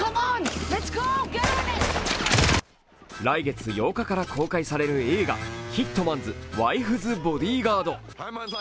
来月８日から公開される映画、「ヒットマンズ・ワイフズ・ボディガード」。